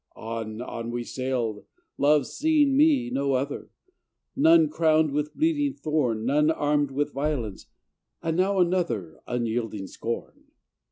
On, on we sailed, Love seeing me, no other: None crowned with bleeding thorn, None armed with violence, and now another Unyielding Scorn.